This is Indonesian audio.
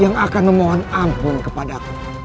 yang akan memohon ampun kepada aku